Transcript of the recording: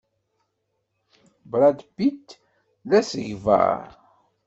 Brad Pitt d asegbar.